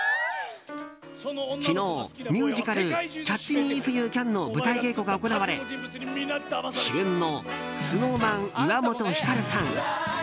昨日、ミュージカル「キャッチ・ミー・イフ・ユー・キャン」の舞台稽古が行われ主演のＳｎｏｗＭａｎ岩本照さん